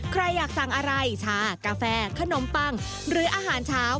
ใครอยากสั่งอะไรชากาแฟขนมปังหรืออาหารเช้า